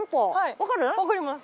わかります。